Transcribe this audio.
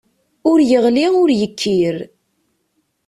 Ur yeɣli ur yekkir.